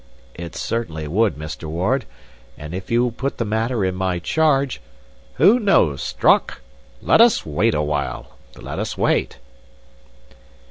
"It certainly would, Mr. Ward. And if you put the matter in my charge—" "Who knows, Strock? Let us wait a while! Let us wait!"